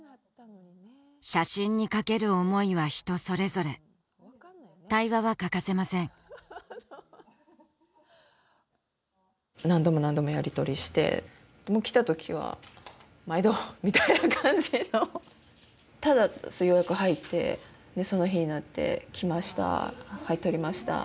写真にかける思いは人それぞれ対話は欠かせません何度も何度もやりとりしてもう来た時は「毎度」みたいな感じのただ予約入ってでその日になって来ましたはい撮りましたー